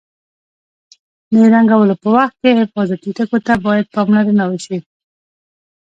د رنګولو په وخت کې حفاظتي ټکو ته باید پاملرنه وشي.